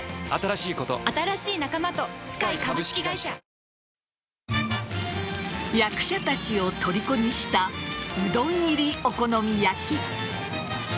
香りに驚くアサヒの「颯」役者たちをとりこにしたうどん入りお好み焼き。